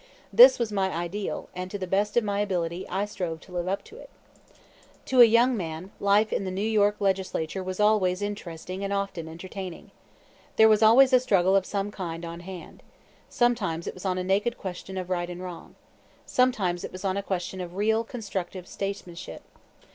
This was my ideal, and to the best of my ability I strove to live up to it. To a young man, life in the New York Legislature was always interesting and often entertaining. There was always a struggle of some kind on hand. Sometimes it was on a naked question of right and wrong. Sometimes it was on a question of real constructive statesmanship.